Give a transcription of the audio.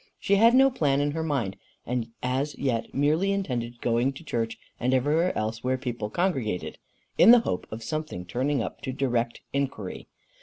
She had no plan in her mind, and as yet merely intended going to church and everywhere else where people congregated, in the hope of something turning up to direct inquiry.